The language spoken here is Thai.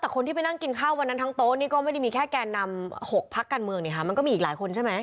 คนที่ไปนั่งกินข้าวทั้งโต๊ะนี้ก็ไม่ได้มีแค่แกนำ๖ภักด์การเมืองมีเรื่องอีกหลายใช่ไหม